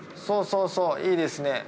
そうそうそう、いいですね。